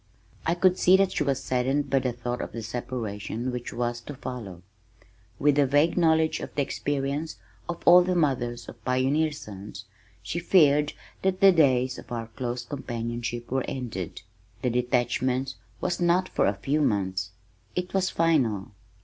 I could see that she was saddened by the thought of the separation which was to follow with a vague knowledge of the experience of all the mothers of pioneer sons she feared that the days of our close companionship were ended. The detachment was not for a few months, it was final.